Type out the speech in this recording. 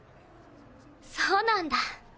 そうなんだ。